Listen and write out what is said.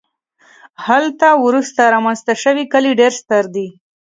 هلته وروسته رامنځته شوي کلي ډېر ستر دي